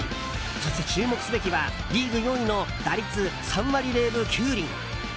そして注目すべきはリーグ４位の打率３割０分９厘。